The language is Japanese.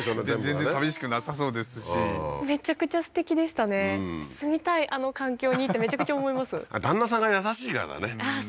全然さみしくなさそうですしめちゃくちゃすてきでしたね住みたいあの環境にってめちゃくちゃ思います旦那さんが優しいからねああ